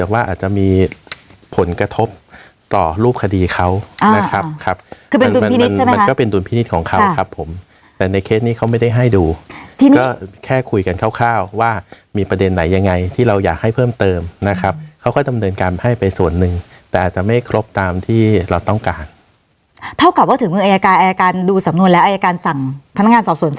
นะครับครับคือเป็นตูนพินิศใช่ไหมครับมันก็เป็นตูนพินิศของเขาครับผมแต่ในเคสนี้เขาไม่ได้ให้ดูที่นี่ก็แค่คุยกันคร่าวคร่าวว่ามีประเด็นไหนยังไงที่เราอยากให้เพิ่มเติมนะครับเขาก็จะเมื่อการให้ไปส่วนหนึ่งแต่อาจจะไม่ครบตามที่เราต้องการเท่ากับว่าถึงเมื่ออายการอายการดูสำนวนแล้วอายการสั่งพน